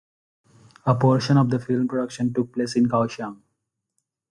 A portion of the film production took place in Kaohsiung.